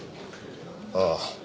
ああ。